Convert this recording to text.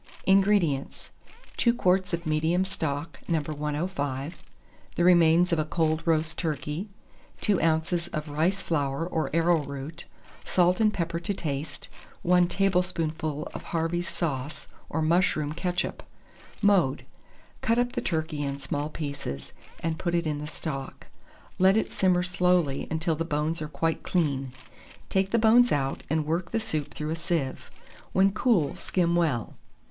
188. INGREDIENTS. 2 quarts of medium stock, No. 105, the remains of a cold roast turkey, 2 oz. of rice flour or arrowroot, salt and pepper to taste, 1 tablespoonful of Harvey's sauce or mushroom ketchup. Mode. Cut up the turkey in small pieces, and put it in the stock; let it simmer slowly until the bones are quite clean. Take the bones out, and work the soup through a sieve; when cool, skim well.